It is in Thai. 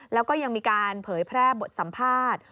แล้วก็ยังมีการเผยแพร่บทสัมภาษณ์